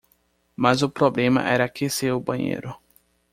Mas o problema era aquecer o banheiro.